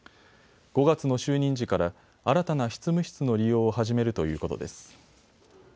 ５月の就任時から新たな執務室の利用を始めるということです。